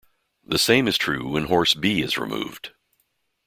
The same is true when horse B is removed.